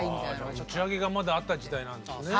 打ち上げがまだあった時代なんですね。